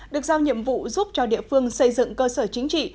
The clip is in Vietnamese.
được giao nhiệm vụ giúp cho địa phương xây dựng cơ sở chính trị